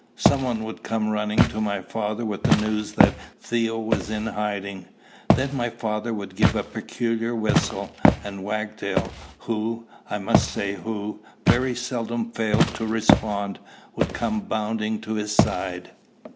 Some one would come running to my father with the news that Theo was in hiding. Then my father would give a peculiar whistle, and Wagtail, who (I must say who) very seldom failed to respond, would come bounding to his side.